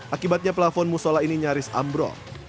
akibatnya pelafon musola ini nyaris ambrol